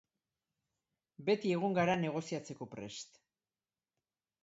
Beti egon gara negoziatzeko prest.